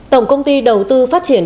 tổng công ty đầu tư phát triển